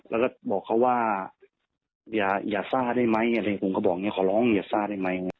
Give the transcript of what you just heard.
แล้วก็บอกเขาว่าอย่าซ่าได้ไหมอะไรผมก็บอกอย่างนี้ขอร้องอย่าซ่าได้ไหม